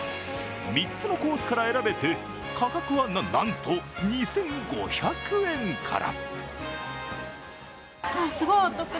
３つのコースから選べて価格はな、な、なんと２５００円から。